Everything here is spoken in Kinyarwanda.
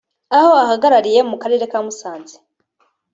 Abo ahagarariye mu karere ka Musanze